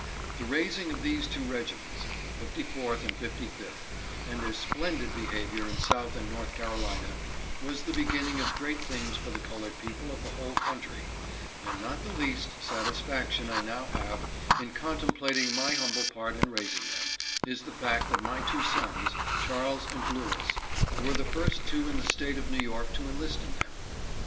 The raising of these two regiments — the 54th and 55th — and their splen did behavior in South and North Carolina, was the begin ning of great things for the colored people of the whole country ; and not the least satisfaction I now have in contemplating my humble part in raising them, is the fact that my two sons, Charles and Lewis, were the first two in the State of New York to enlist in them.